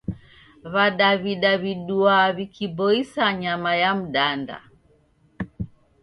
W'adaw'ida w'iduaa w'ikiboisa nyama ya mdanda?